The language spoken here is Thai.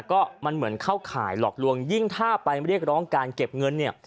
ก็มันเหมือนเข้าข่ายหลอกลวงยิ่งถ้าไปเรียกร้องการเก็บเงินเนี่ย